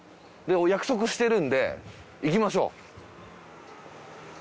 約束してるんで行きましょう。